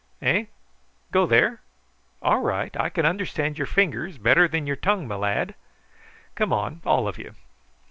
Eh! go there? All right; I can understand your fingers better than your tongue, my lad. Come on, all of you."